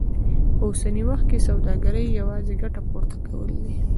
په اوسني وخت کې سوداګري يوازې ګټه پورته کول دي.